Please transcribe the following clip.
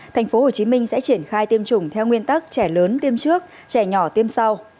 tp hcm sẽ triển khai tiêm chủng theo nguyên tắc trẻ lớn tiêm trước trẻ nhỏ tiêm sau